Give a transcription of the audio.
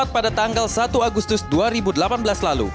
pada tanggal satu agustus dua ribu delapan belas lalu